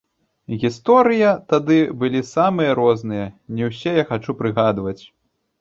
Гісторыя тады былі самыя розныя, не ўсе я хачу прыгадваць.